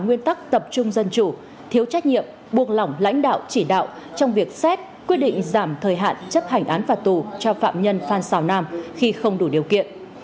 xem xét kết quả kiểm tra khi có dấu hiệu vi phạm trong việc xét quyết định giảm thời hạn chấp hành án phạt tù cho phạm nhân phan xào nam khi không đủ điều kiện